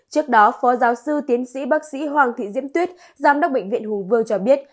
trước đó phó giáo sư tiến sĩ bác sĩ hoàng thị diễm tuyết giám đốc bệnh viện hùng vương cho biết